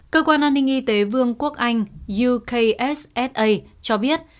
cơ quan an ninh y tế vương quốc anh yukssa cho biết